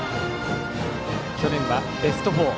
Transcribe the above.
去年はベスト４。